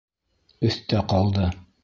Өҫтә ҡалды.